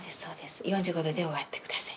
４５度で終わってください。